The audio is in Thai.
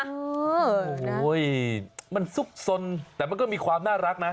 โอ้โหมันซุกสนแต่มันก็มีความน่ารักนะ